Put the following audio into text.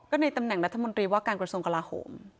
ในตำแหน่งรัฐมนตรีว่าการกระทรวงกลาโหม